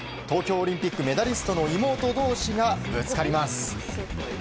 東京オリンピックメダリストの妹同士がぶつかります。